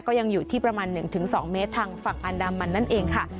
ก็ยังอยู่ที่ประมาณ๑๒เมตรทางฝั่งอันดามันนั่นเองค่ะ